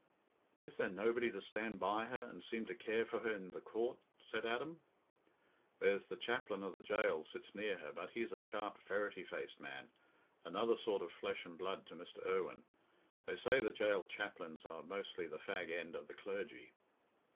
"Is there nobody to stand by her and seem to care for her in the court?" said Adam. "There's the chaplain o' the jail sits near her, but he's a sharp ferrety faced man—another sort o' flesh and blood to Mr. Irwine. They say the jail chaplains are mostly the fag end o' the clergy."